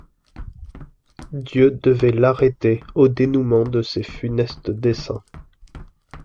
Dieu devait l’arrêter au dénouement de ses funestes desseins.